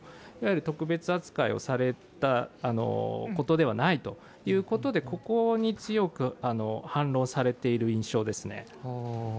特別扱いをされたことではないということでここに強く反論されている印象ですね。